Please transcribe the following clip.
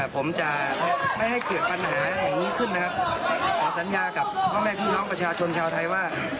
ผมจะไม่ให้เกิดปัญหาอย่างนี้ขึ้นนะครับขอสัญญากับพ่อแม่พี่น้องประชาชนชาวไทยว่า